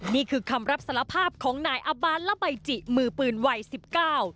นี่คือคำรับสารภาพของนายอบาลและใบจิมือปืนวัยสิบเก้า